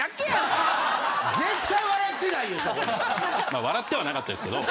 まあ笑ってはなかったですけど。